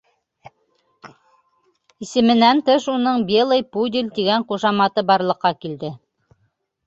Исеменән тыш уның «Белый пудель» тигән ҡушаматы барлыҡҡа килде.